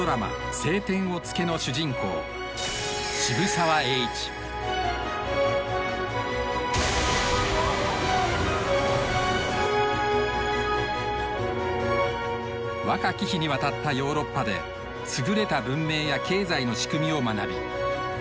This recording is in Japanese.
「青天を衝け」の主人公若き日に渡ったヨーロッパで優れた文明や経済の仕組みを学び。